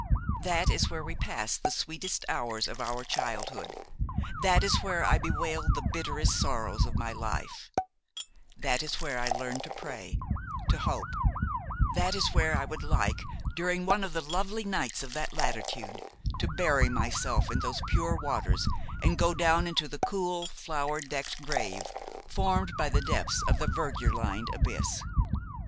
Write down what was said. That is where we passed the sweetest hours of our childhood; that is where I bewailed the bitterest sorrows of my life; that is where I learned to pray, to hope; that is where I would like, during one of the lovely nights of that latitude, to bury myself in those pure waters and go down into the cool, flower decked grave formed by the depths of the verdure lined abyss.